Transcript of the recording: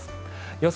予想